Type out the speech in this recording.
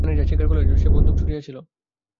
Manager স্বীকার করিল যে, সে বন্দুক ছুঁড়িয়াছিল।